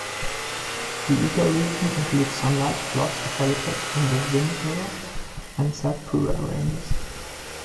The ecoregion includes some large blocks of habitat in the Vindhya and Satpura ranges.